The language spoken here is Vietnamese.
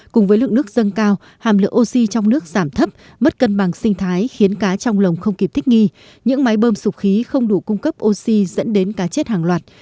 cùng với lượng nước dâng cao hàm lượng oxy trong nước giảm thấp mất cân bằng sinh thái khiến cá trong lồng không kịp thích nghi những máy bơm sụp khí không đủ cung cấp oxy dẫn đến cá chết hàng loạt